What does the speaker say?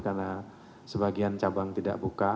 karena sebagian cabang tidak buka